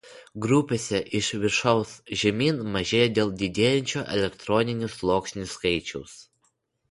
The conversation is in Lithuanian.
Grupėse iš viršaus žemyn mažėja dėl didėjančio elektroninių sluoksnių skaičiaus.